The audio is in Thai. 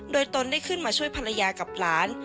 โดยตนได้ขึ้นมาช่วยภรรยากับหลาน